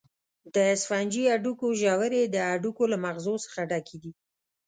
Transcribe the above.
د سفنجي هډوکو ژورې د هډوکو له مغزو څخه ډکې دي.